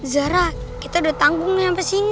zara kita udah tanggung nih sampe sini